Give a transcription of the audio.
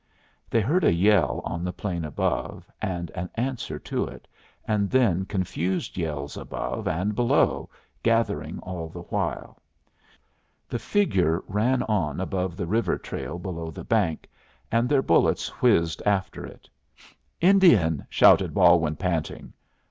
They heard a yell on the plain above, and an answer to it, and then confused yells above and below, gathering all the while. The figure ran on above the river trail below the bank, and their bullets whizzed after it. "Indian!" asserted Balwin, panting.